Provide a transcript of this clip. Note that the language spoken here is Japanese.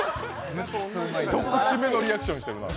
一口目のリアクションしてるな。